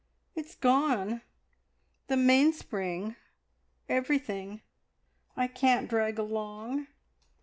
It's gone the mainspring, everything! I can't drag along!